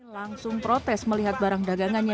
langsung protes melihat barang dagangannya